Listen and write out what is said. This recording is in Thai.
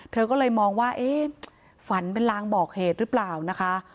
เธอก็เลยมองว่าเอ๊ะฝันเป็นลางบอกเหตุหรือเปล่านะคะ